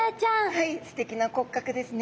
はいすてきな骨格ですね。